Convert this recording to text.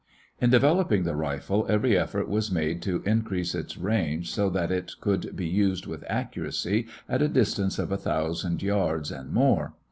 In developing the rifle, every effort was made to increase its range so that it could be used with accuracy at a distance of a thousand yards and more.